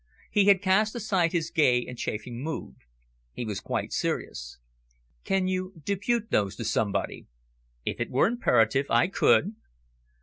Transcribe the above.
He had cast aside his gay and chaffing mood; he was quite serious. "Can you depute those to somebody?" "If it were imperative, I could."